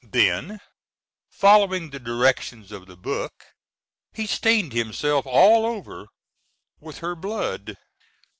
Then, following the directions of the book, he stained himself all over with her blood.